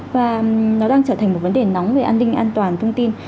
và nó đang trở thành một vấn đề nóng về an ninh an toàn thông tin